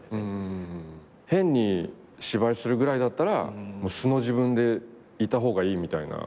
変に芝居するぐらいだったら素の自分でいた方がいいみたいな。